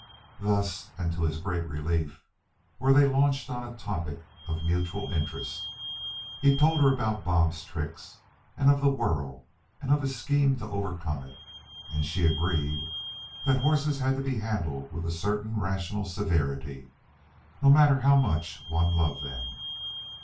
Thus, and to his great relief, were they launched on a topic of mutual interest. He told her about Bob's tricks, and of the whirl and his scheme to overcome it; and she agreed that horses had to be handled with a certain rational severity, no matter how much one loved them.